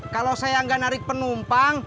kalau saya nggak narik penumpang